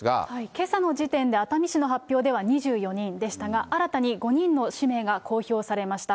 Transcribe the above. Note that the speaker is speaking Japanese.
けさの時点で熱海市の発表では２４人でしたが、新たに５人の氏名が公表されました。